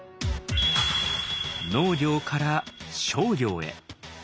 農業から商業へ。